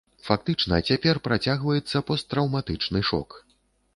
Фактычна цяпер працягваецца посттраўматычны шок.